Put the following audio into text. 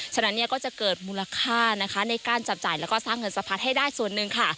ฉะนั้นก็จะเกิดมูลค่าในการจับจ่ายและสร้างเงินสะพัดให้ได้ส่วนหนึ่ง